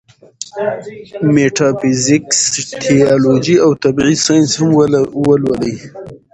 ميټافزکس ، تيالوجي او طبعي سائنس هم ولولي